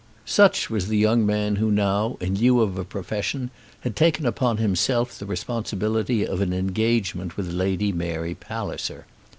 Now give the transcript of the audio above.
Such was the young man who now, in lieu of a profession, had taken upon himself the responsibility of an engagement with Lady Mary Palliser.